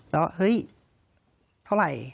แล้วเฮ้ยเท่าไหร่